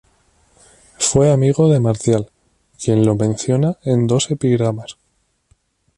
Fue amigo de Marcial quien lo menciona en dos epigramas.